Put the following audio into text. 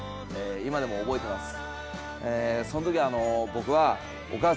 今でも覚えてます。